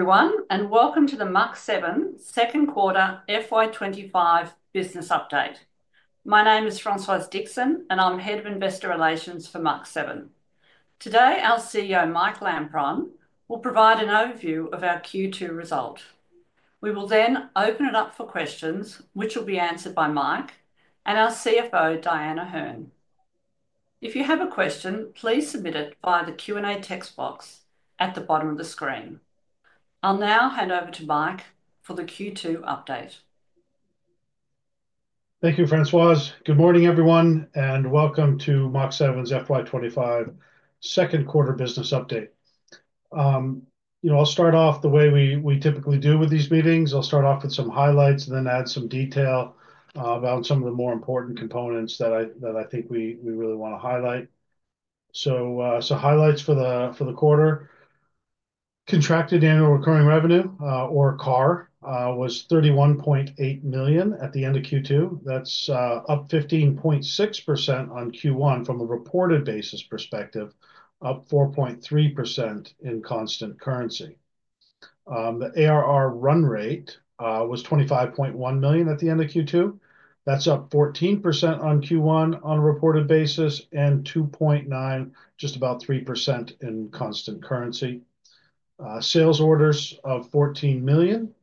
Everyone, and welcome to the Mach7 Q2 FY25 Business Update. My name is Françoise Dixon, and I'm Head of Investor Relations for Mach7. Today, our CEO, Mike Lampron, will provide an overview of our Q2 result. We will then open it up for questions, which will be answered by Mike and our CFO, Dyan O'Herne. If you have a question, please submit it via the Q&A text box at the bottom of the screen. I'll now hand over to Mike for the Q2 update. Thank you, Françoise. Good morning, everyone, and welcome to Mach7's FY25 Q2 Business Update. You know, I'll start off the way we typically do with these meetings: I'll start off with some highlights and then add some detail about some of the more important components that I think we really want to highlight. So, highlights for the quarter: Contracted annual recurring revenue, or CAR, was $31.8 million at the end of Q2. That's up 15.6% on Q1 from a reported basis perspective, up 4.3% in constant currency. The ARR run rate was $25.1 million at the end of Q2. That's up 14% on Q1 on a reported basis, and 2.9%, just about 3% in constant currency. Sales orders of $14 million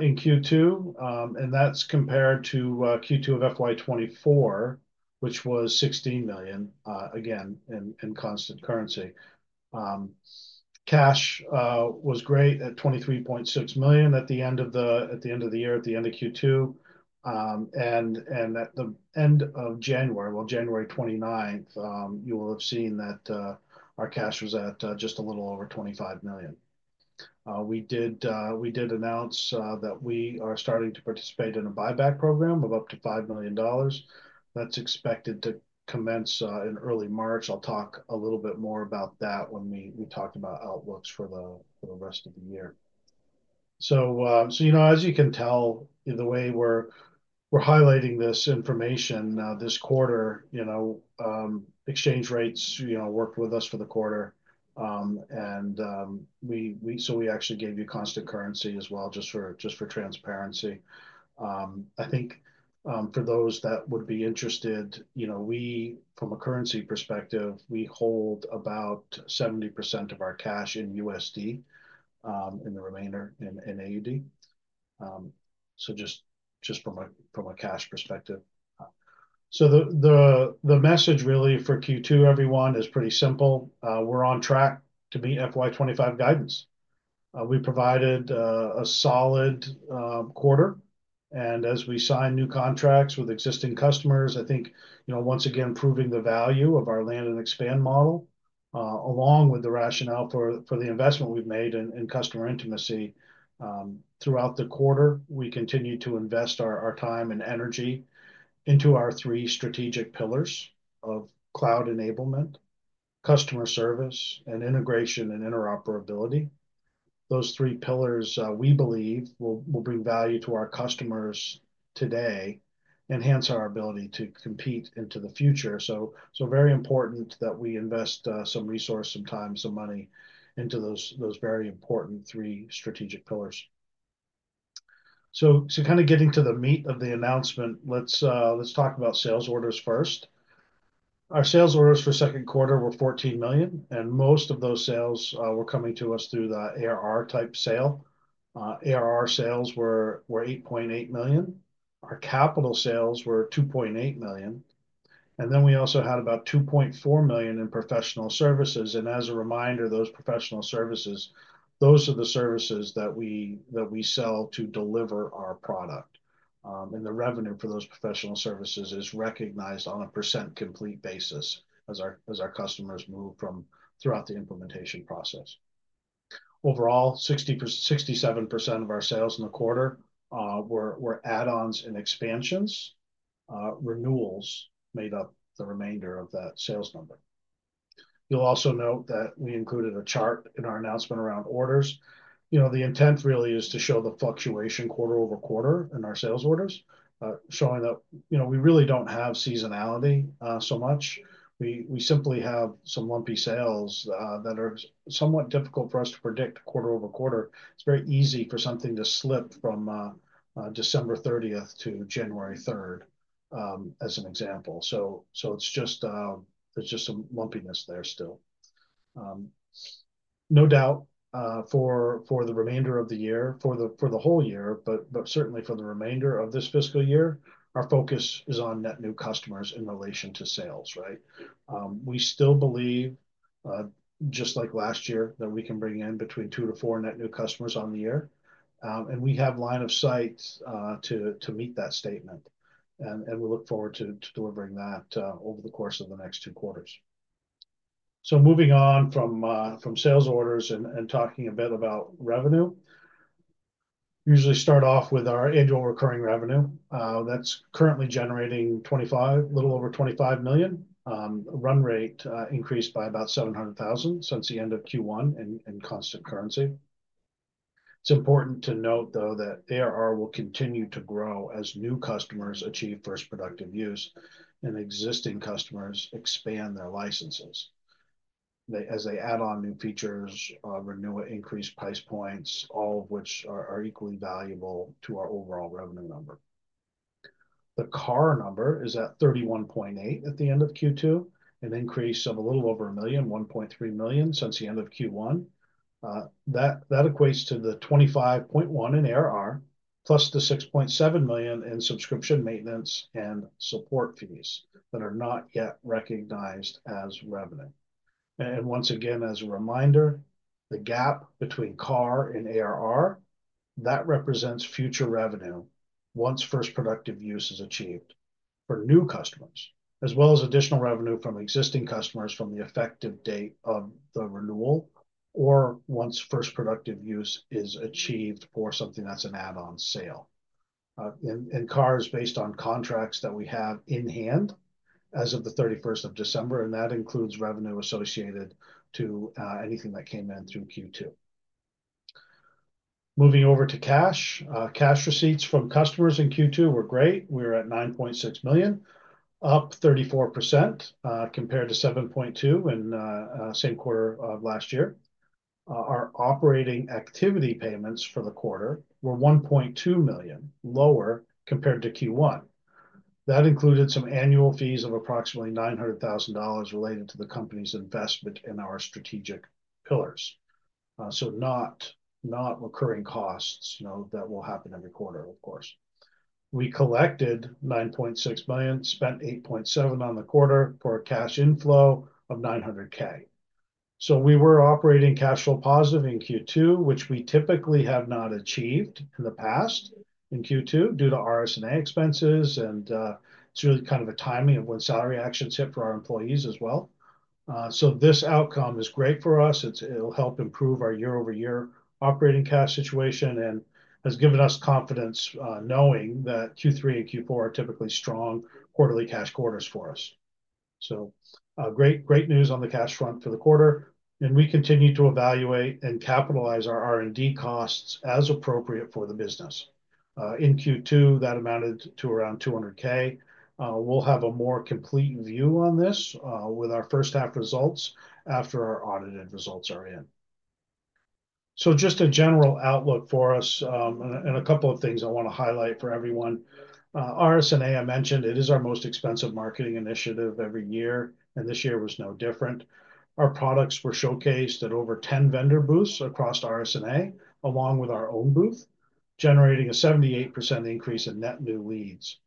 in Q2, and that's compared to Q2 of FY24, which was $16 million, again, in constant currency. Cash was great at $23.6 million at the end of the year, at the end of Q2, and at the end of January, well, January 29th. You will have seen that our cash was at just a little over $25 million. We did announce that we are starting to participate in a buyback program of up to $5 million. That's expected to commence in early March. I'll talk a little bit more about that when we talk about outlooks for the rest of the year. So, you know, as you can tell, the way we're highlighting this information this quarter, you know, exchange rates, you know, worked with us for the quarter, and so we actually gave you constant currency as well, just for transparency. I think for those that would be interested, you know, we, from a currency perspective, we hold about 70% of our cash in USD, and the remainder in AUD. So just from a cash perspective. So the message really for Q2, everyone, is pretty simple: we're on track to meet FY25 guidance. We provided a solid quarter, and as we sign new contracts with existing customers, I think, you know, once again, proving the value of our land and expand model, along with the rationale for the investment we've made in customer intimacy. Throughout the quarter, we continue to invest our time and energy into our three strategic pillars of cloud enablement, customer service, and integration and interoperability. Those three pillars, we believe, will bring value to our customers today, enhance our ability to compete into the future. So very important that we invest some resource, some time, some money into those very important three strategic pillars. So kind of getting to the meat of the announcement, let's talk about sales orders first. Our sales orders for Q2 were $14 million, and most of those sales were coming to us through the ARR type sale. ARR sales were $8.8 million. Our capital sales were $2.8 million. And then we also had about $2.4 million in professional services. And as a reminder, those professional services, those are the services that we sell to deliver our product. And the revenue for those professional services is recognized on a percent complete basis as our customers move throughout the implementation process. Overall, 67% of our sales in the quarter were add-ons and expansions. Renewals made up the remainder of that sales number. You'll also note that we included a chart in our announcement around orders. You know, the intent really is to show the fluctuation quarter over quarter in our sales orders, showing that, you know, we really don't have seasonality so much. We simply have some lumpy sales that are somewhat difficult for us to predict quarter over quarter. It's very easy for something to slip from December 30th to January 3rd, as an example. So it's just some lumpiness there still. No doubt, for the remainder of the year, for the whole year, but certainly for the remainder of this FY, our focus is on net new customers in relation to sales, right? We still believe, just like last year, that we can bring in between two to four net new customers on the year. And we have line of sight to meet that statement. We look forward to delivering that over the course of the next two quarters. Moving on from sales orders and talking a bit about revenue, usually start off with our annual recurring revenue. That's currently generating a little over $25 million. Run rate increased by about $700,000 since the end of Q1 in constant currency. It's important to note, though, that ARR will continue to grow as new customers achieve first productive use and existing customers expand their licenses as they add on new features, renew, increase price points, all of which are equally valuable to our overall revenue number. The CAR number is at $31.8 million at the end of Q2, an increase of a little over a million, $1.3 million since the end of Q1. That equates to the $25.1 in ARR, plus the $6.7 million in subscription, maintenance, and support fees that are not yet recognized as revenue. And once again, as a reminder, the gap between CAR and ARR, that represents future revenue once first productive use is achieved for new customers, as well as additional revenue from existing customers from the effective date of the renewal, or once first productive use is achieved for something that's an add-on sale. And CAR is based on contracts that we have in hand as of the 31st of December, and that includes revenue associated to anything that came in through Q2. Moving over to cash, cash receipts from customers in Q2 were great. We were at $9.6 million, up 34% compared to $7.2 million in the same quarter of last year. Our operating activity payments for the quarter were $1.2 million, lower compared to Q1. That included some annual fees of approximately $900,000 related to the company's investment in our strategic pillars, so not recurring costs, you know, that will happen every quarter, of course. We collected $9.6 million, spent $8.7 million on the quarter for a cash inflow of $900,000, so we were operating cash flow positive in Q2, which we typically have not achieved in the past in Q2 due to RSNA expenses, and it's really kind of a timing of when salary actions hit for our employees as well, so this outcome is great for us. It'll help improve our year-over-year operating cash situation and has given us confidence knowing that Q3 and Q4 are typically strong quarterly cash quarters for us, so great news on the cash front for the quarter, and we continue to evaluate and capitalize our R&D costs as appropriate for the business. In Q2, that amounted to around $200,000. We'll have a more complete view on this with our first half results after our audited results are in, so just a general outlook for us, and a couple of things I want to highlight for everyone. RSNA, I mentioned, it is our most expensive marketing initiative every year, and this year was no different. Our products were showcased at over 10 vendor booths across RSNA, along with our own booth, generating a 78% increase in net new leads.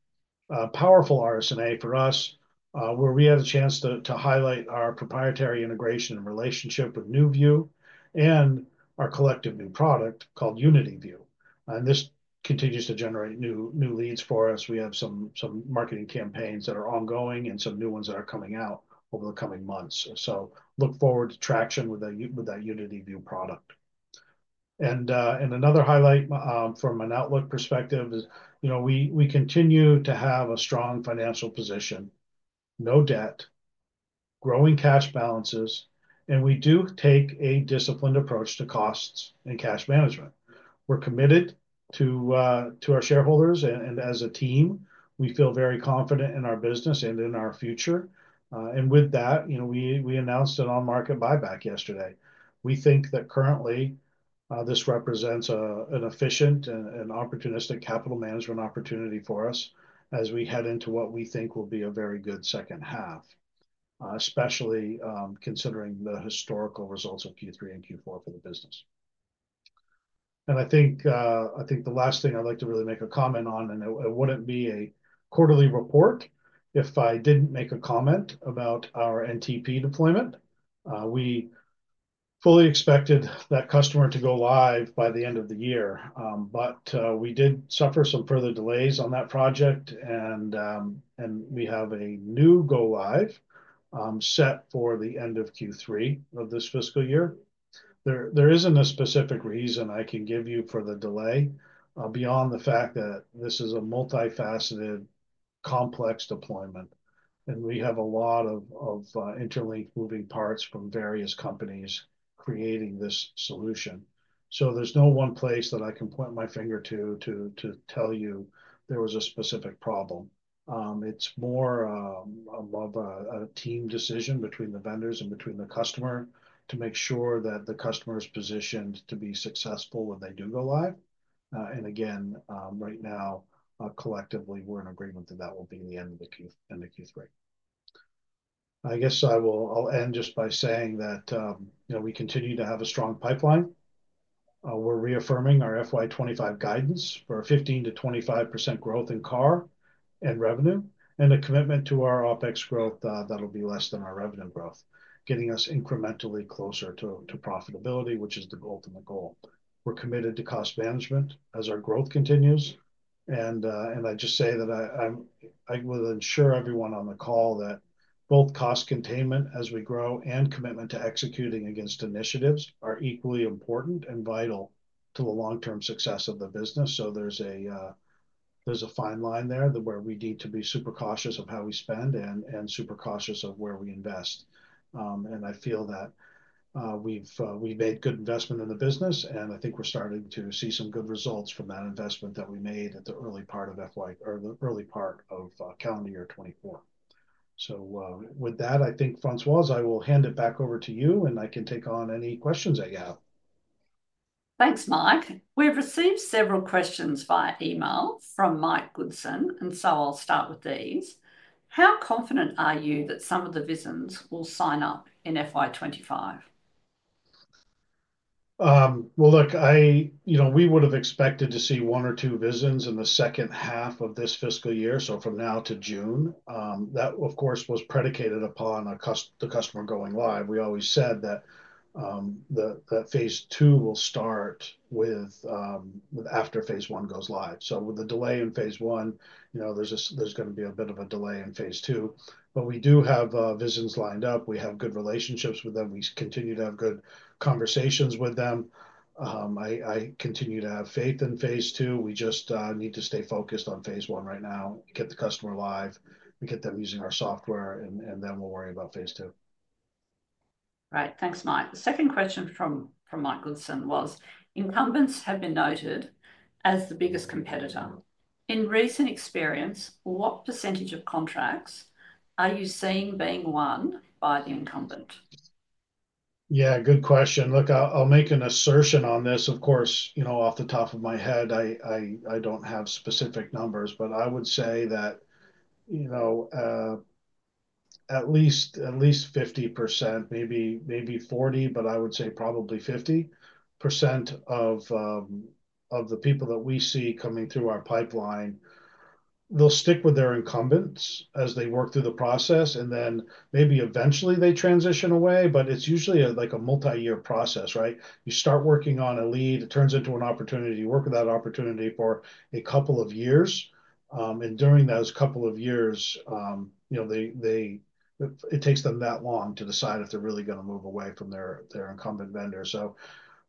Powerful RSNA for us, where we had a chance to highlight our proprietary integration and relationship with NewVue and our collective new product called eUnity, and this continues to generate new leads for us. We have some marketing campaigns that are ongoing and some new ones that are coming out over the coming months. Look forward to traction with that eUnity product. Another highlight from an outlook perspective is, you know, we continue to have a strong financial position, no debt, growing cash balances, and we do take a disciplined approach to costs and cash management. We're committed to our shareholders, and as a team, we feel very confident in our business and in our future. With that, you know, we announced an on-market buyback yesterday. We think that currently this represents an efficient and opportunistic capital management opportunity for us as we head into what we think will be a very good second half, especially considering the historical results of Q3 and Q4 for the business. I think the last thing I'd like to really make a comment on, and it wouldn't be a quarterly report if I didn't make a comment about our NTP deployment. We fully expected that customer to go live by the end of the year, but we did suffer some further delays on that project, and we have a new go-live set for the end of Q3 of this fiscal year. There isn't a specific reason I can give you for the delay beyond the fact that this is a multifaceted, complex deployment, and we have a lot of interlinked moving parts from various companies creating this solution. So there's no one place that I can point my finger to tell you there was a specific problem. It's more of a team decision between the vendors and between the customer to make sure that the customer is positioned to be successful when they do go live. And again, right now, collectively, we're in agreement that that will be the end of Q3. I guess I'll end just by saying that, you know, we continue to have a strong pipeline. We're reaffirming our FY25 guidance for a 15%-25% growth in CAR and revenue, and a commitment to our OpEx growth that'll be less than our revenue growth, getting us incrementally closer to profitability, which is the ultimate goal. We're committed to cost management as our growth continues. And I just say that I will ensure everyone on the call that both cost containment as we grow and commitment to executing against initiatives are equally important and vital to the long-term success of the business. So there's a fine line there where we need to be super cautious of how we spend and super cautious of where we invest. And I feel that we've made good investment in the business, and I think we're starting to see some good results from that investment that we made at the early part of fiscal year, or the early part of calendar year 2024. So with that, I think, Françoise, I will hand it back over to you, and I can take on any questions I get. Thanks, Mike. We've received several questions via email from Mike Goodall, and so I'll start with these. How confident are you that some of the VISNs will sign up in FY25? Well, look, I, you know, we would have expected to see one or two VISNs in the second half of this fiscal year, so from now to June. That, of course, was predicated upon the customer going live. We always said that phase two will start after phase one goes live. So with the delay in phase one, you know, there's going to be a bit of a delay in phase two. But we do have visions lined up. We have good relationships with them. We continue to have good conversations with them. I continue to have faith in phase two. We just need to stay focused on phase one right now, get the customer live, and get them using our software, and then we'll worry about phase two. Right. Thanks, Mike. The second question from Mike Goodson was, incumbents have been noted as the biggest competitor. In recent experience, what percentage of contracts are you seeing being won by the incumbent? Yeah, good question. Look, I'll make an assertion on this. Of course, you know, off the top of my head, I don't have specific numbers, but I would say that, you know, at least 50%, maybe 40%, but I would say probably 50% of the people that we see coming through our pipeline, they'll stick with their incumbents as they work through the process, and then maybe eventually they transition away. But it's usually like a multi-year process, right? You start working on a lead, it turns into an opportunity. You work with that opportunity for a couple of years. And during those couple of years, you know, it takes them that long to decide if they're really going to move away from their incumbent vendor. So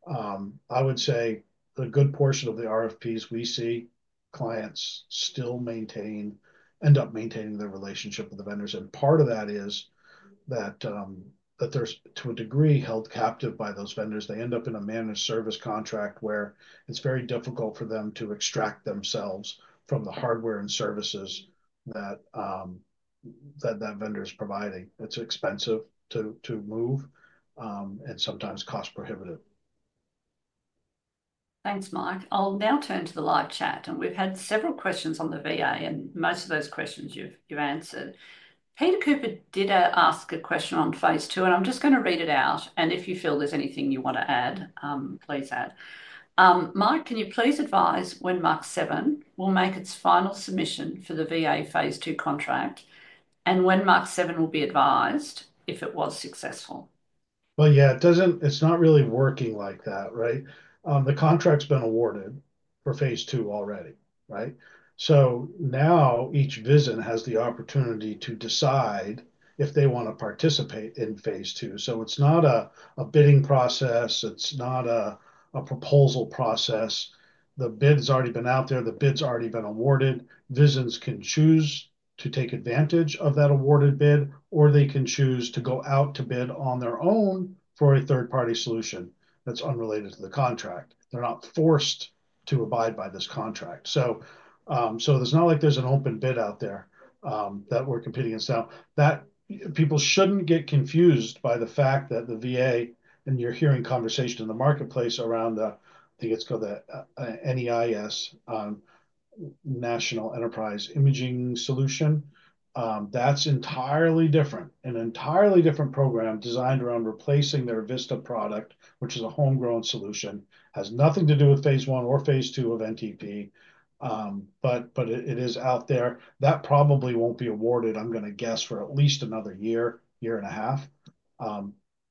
I would say a good portion of the RFPs we see clients still maintain, end up maintaining their relationship with the vendors. Part of that is that they're, to a degree, held captive by those vendors. They end up in a managed service contract where it's very difficult for them to extract themselves from the hardware and services that that vendor is providing. It's expensive to move and sometimes cost-prohibitive. Thanks, Mike. I'll now turn to the live chat. We've had several questions on the VA, and most of those questions you've answered. Peter Cooper did ask a question on phase two, and I'm just going to read it out. If you feel there's anything you want to add, please add. Mark, can you please advise when Mach7 will make its final submission for the VA phase two contract, and when Mach7 will be advised if it was successful? Yeah, it's not really working like that, right? The contract's been awarded for phase two already, right? So now each VISN has the opportunity to decide if they want to participate in phase two. So it's not a bidding process. It's not a proposal process. The bid's already been out there. The bid's already been awarded. VISNs can choose to take advantage of that awarded bid, or they can choose to go out to bid on their own for a third-party solution that's unrelated to the contract. They're not forced to abide by this contract. So it's not like there's an open bid out there that we're competing against now. People shouldn't get confused by the fact that the VA, and you're hearing conversation in the marketplace around the, I think it's called the NEIS, National Enterprise Imaging Solution. That's entirely different, an entirely different program designed around replacing their VistA product, which is a homegrown solution, has nothing to do with phase one or phase two of NTP, but it is out there. That probably won't be awarded, I'm going to guess, for at least another year, year and a half,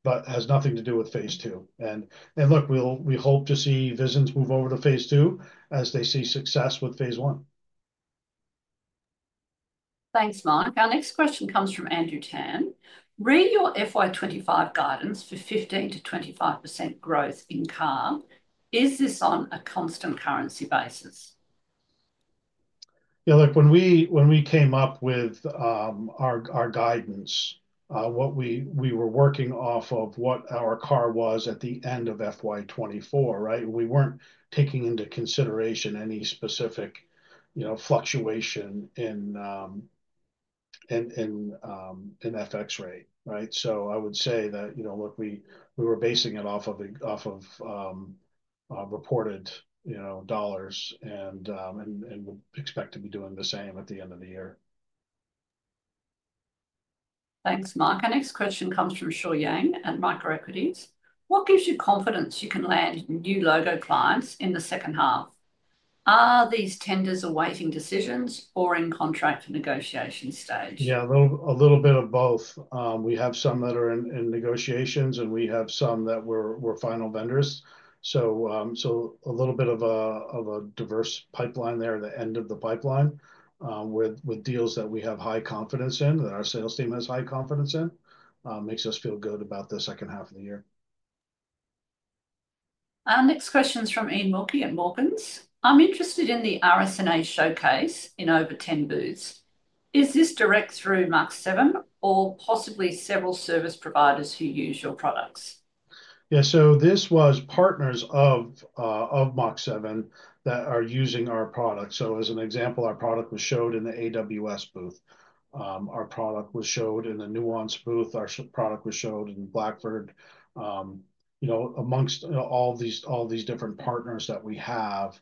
but has nothing to do with phase two. And look, we hope to see VISNs move over to phase two as they see success with phase one. Thanks, Mike. Our next question comes from Andrew Tan. Read your FY25 guidance for 15%-25% growth in CAR. Is this on a constant currency basis? Yeah, look, when we came up with our guidance, what we were working off of what our CAR was at the end of FY24, right? We weren't taking into consideration any specific, you know, fluctuation in FX rate, right? So I would say that, you know, look, we were basing it off of reported, you know, dollars and would expect to be doing the same at the end of the year. Thanks, Mike. Our next question comes from Samuel Yang at Microequities. What gives you confidence you can land new logo clients in the second half? Are these tenders awaiting decisions or in contract negotiation stage? Yeah, a little bit of both. We have some that are in negotiations, and we have some that were final vendors. So a little bit of a diverse pipeline there at the end of the pipeline with deals that we have high confidence in, that our sales team has high confidence in, makes us feel good about the second half of the year. Our next question is from Iain Wilkie at Morgans. I'm interested in the RSNA showcase in over 10 booths. Is this direct through Mach7 or possibly several service providers who use your products? Yeah, so this was partners of Mach7 that are using our product. So as an example, our product was shown in the AWS booth. Our product was shown in the Nuance booth. Our product was shown in Blackford. You know, amongst all these different partners that we have,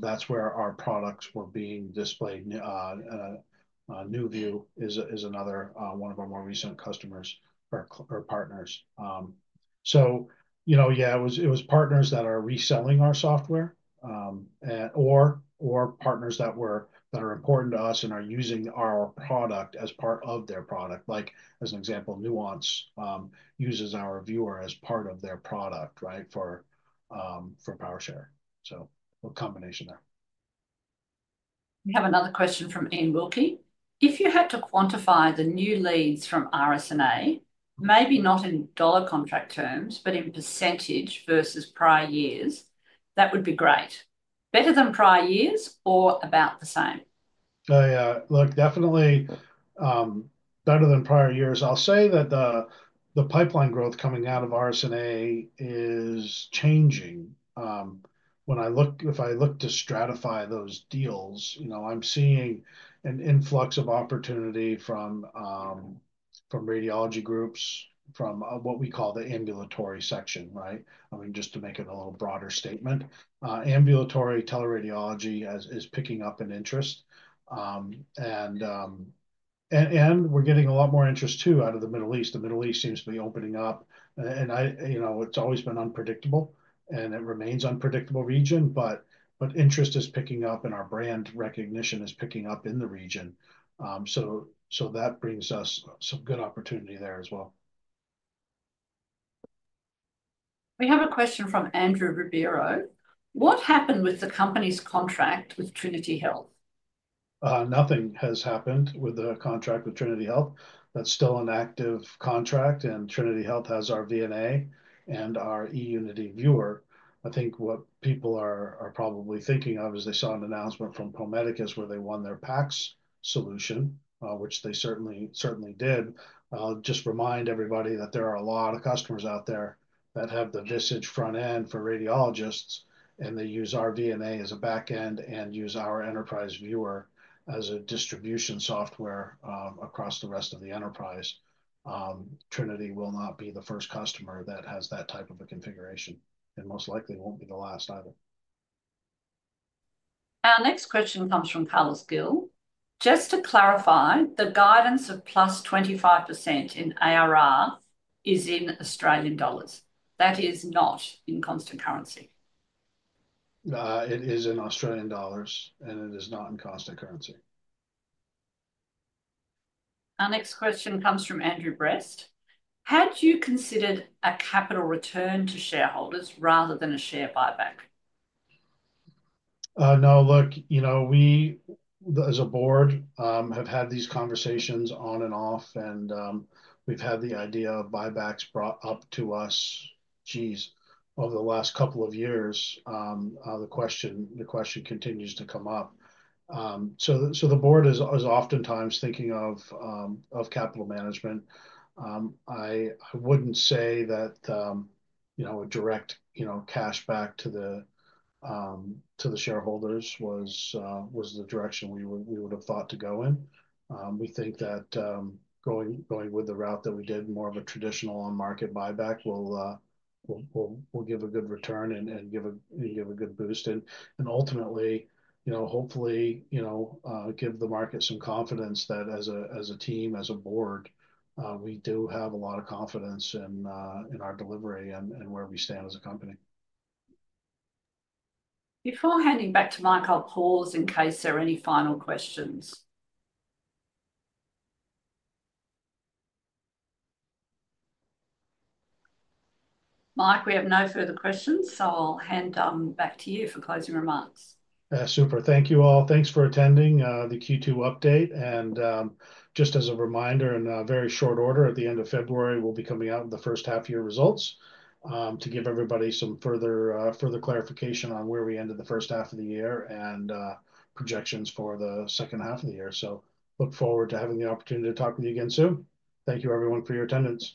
that's where our products were being displayed. NewVue is another one of our more recent customers or partners. So, you know, yeah, it was partners that are reselling our software or partners that are important to us and are using our product as part of their product. Like, as an example, Nuance uses our viewer as part of their product, right, for PowerShare. So a combination there. We have another question from Iain Wilkie. If you had to quantify the new leads from RSNA, maybe not in dollar contract terms, but in percentage versus prior years, that would be great. Better than prior years or about the same? Look, definitely better than prior years. I'll say that the pipeline growth coming out of RSNA is changing. When I look, if I look to stratify those deals, you know, I'm seeing an influx of opportunity from radiology groups, from what we call the ambulatory section, right? I mean, just to make it a little broader statement. Ambulatory teleradiology is picking up in interest. And we're getting a lot more interest too out of the Middle East. The Middle East seems to be opening up. And, you know, it's always been unpredictable, and it remains an unpredictable region, but interest is picking up, and our brand recognition is picking up in the region. So that brings us some good opportunity there as well. We have a question from Andrew Ribeiro. What happened with the company's contract with Trinity Health? Nothing has happened with the contract with Trinity Health. That's still an active contract, and Trinity Health has our VNA and our eUnity viewer. I think what people are probably thinking of is they saw an announcement from Pro Medicus where they won their PACS solution, which they certainly did. Just remind everybody that there are a lot of customers out there that have the Visage front end for radiologists, and they use our VNA as a backend and use our Enterprise Viewer as a distribution software across the rest of the enterprise. Trinity will not be the first customer that has that type of a configuration and most likely won't be the last either. Our next question comes from Carlos Gil. Just to clarify, the guidance of +25% in ARR is in Australian dollars. That is not in constant currency. It is in Australian dollars, and it is not in constant currency. Our next question comes from Andrew Brest. Had you considered a capital return to shareholders rather than a share buyback? No, look, you know, we as a board have had these conversations on and off, and we've had the idea of buybacks brought up to us, geez, over the last couple of years. The question continues to come up. So the board is oftentimes thinking of capital management. I wouldn't say that, you know, a direct cash back to the shareholders was the direction we would have thought to go in. We think that going with the route that we did, more of a traditional on-market buyback will give a good return and give a good boost. Ultimately, you know, hopefully, you know, give the market some confidence that as a team, as a board, we do have a lot of confidence in our delivery and where we stand as a company. Before handing back to Mike, I'll pause in case there are any final questions. Mike, we have no further questions, so I'll hand back to you for closing remarks. Super. Thank you all. Thanks for attending the Q2 update. Just as a reminder, in very short order, at the end of February, we'll be coming out with the first half-year results to give everybody some further clarification on where we ended the first half of the year and projections for the second half of the year. Look forward to having the opportunity to talk with you again soon. Thank you, everyone, for your attendance.